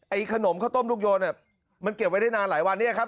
ขนมข้าวต้มลูกโยนเนี่ยมันเก็บไว้ได้นานหลายวันเนี่ยครับ